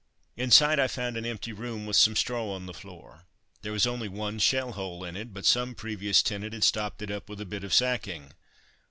Inside I found an empty room with some straw on the floor. There was only one shell hole in it, but some previous tenant had stopped it up with a bit of sacking.